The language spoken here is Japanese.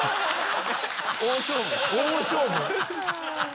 大勝負！